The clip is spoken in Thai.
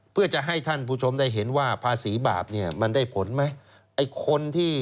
เพื่อจะให้ท่านผู้ชมได้เห็นว่าภาษีบาปมันได้ผลไหม